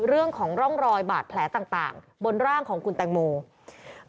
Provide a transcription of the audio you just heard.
เรื่องของร่องรอยบาดแผลต่างบนร่างของคุณแตงโม